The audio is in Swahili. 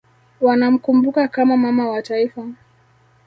wanamkumbuka kama Mama wa Taifa